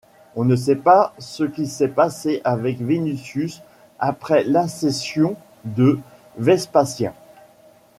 On ne sait pas ce qui s'est passé avec Venutius après l'accession de Vespasien.